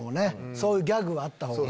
そういうギャグはあったほうが。